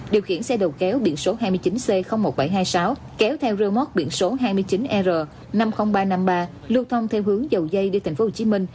điều khiển xe đầu kéo biện số hai mươi chín c một nghìn bảy trăm hai mươi sáu kéo theo rơmót biện số hai mươi chín er năm mươi nghìn ba trăm năm mươi ba lưu thông theo hướng dầu dây đi tp hcm